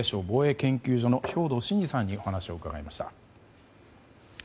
防衛研究所の兵頭慎治さんにお話を伺いました。